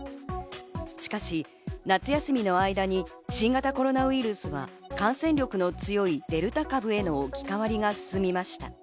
しかし夏休みの間に新型コロナウイルスが感染力の強いデルタ株への置き換わりが進みました。